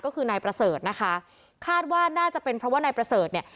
ก็คือนายประเสริฐนะคะคาดว่าน่าจะเป็นเพราะว่านายประเสริฐเนี่ย